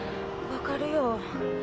分かるよ